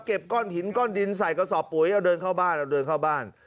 ก้อนหินก้อนดินใส่กระสอบปุ๋ยเอาเดินเข้าบ้านเอาเดินเข้าบ้าน